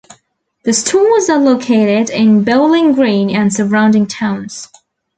The stores are located in Bowling Green and surrounding towns.